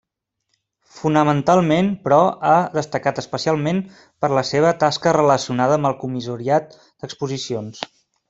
Fonamentalment, però, ha destacat especialment per la seva tasca relacionada amb el comissariat d’exposicions.